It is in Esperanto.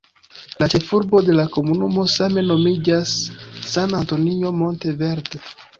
La ĉefurbo de la komunumo same nomiĝas "San Antonio Monte Verde".